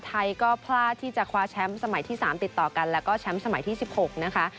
ไทยก็พลาดที่จะคว้าแชมป์สมัยที่๓ติดต่อกันแล้วก็แชมป์สมัยที่๑๖นะคะ